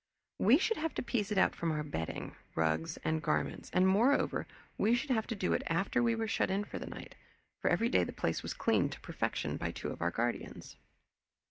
We should have to piece it out from our bedding, rugs, and garments, and moreover, we should have to do it after we were shut in for the night, for every day the place was cleaned to perfection by two of our guardians.